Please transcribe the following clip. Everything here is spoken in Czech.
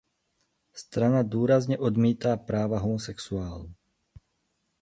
Strana důrazně odmítá práva homosexuálů.